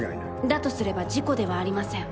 だとすれば事故ではありません。